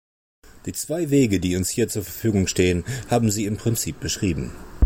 Die zwei Wege, die uns hier zur Verfügung stehen, haben Sie im Prinzip beschrieben.